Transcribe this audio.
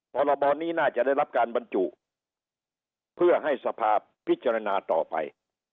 พรบนี้น่าจะได้รับการบรรจุเพื่อให้สภาพพิจารณาต่อไป